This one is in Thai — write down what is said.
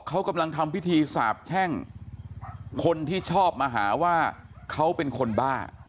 เขากำลังทำพิธีสาบแช่งคนที่ชอบมาหาว่าเขาเป็นคนบ้า